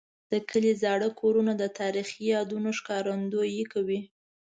د کلي زاړه کورونه د تاریخي یادونو ښکارندوي کوي.